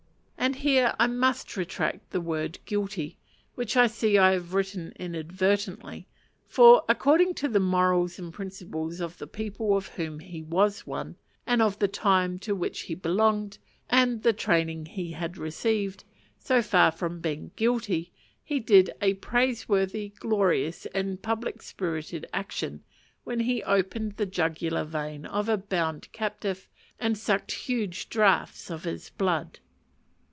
And here I must retract the word guilty, which I see I have written inadvertently; for according to the morals and principles of the people of whom he was one, and of the time to which he belonged, and the training he had received so far from being guilty, he did a praiseworthy, glorious, and public spirited action when he opened the jugular vein of a bound captive and sucked huge draughts of his blood.